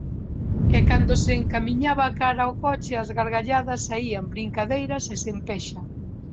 E cando se encamiñaba cara ao coche, as gargalladas saían brincadeiras e sen pexa.